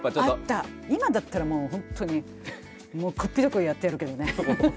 今だったらもう本当にこっぴどくやってやるけどね。